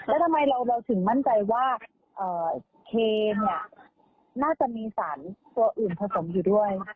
แล้วทำไมเราถึงมั่นใจว่าเคนเนี่ยน่าจะมีสารตัวอื่นผสมอยู่ด้วย